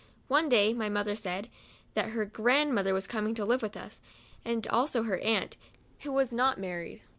One day my mother said, that her grand mother was coming to live with us, and also her aunt, who was not married.